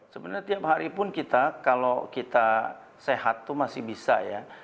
sebenarnya tiap hari pun kita kalau kita sehat itu masih bisa ya